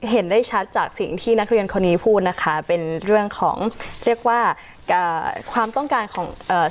เห็นได้ชัดจากสิ่งที่นักเรียนคนนี้พูดนะคะเป็นเรื่องของเรียกว่าอ่าความต้องการของเอ่อ